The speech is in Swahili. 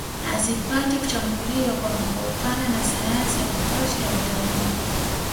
Hazipati kuchambuliwa kwa upana na sayansi ya kutosha ya utalii